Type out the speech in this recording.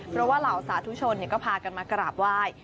เพราะว่าเหล่าสาธุชนก็พากันมากราบไหว้